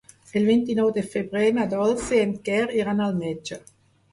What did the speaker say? El vint-i-nou de febrer na Dolça i en Quer iran al metge.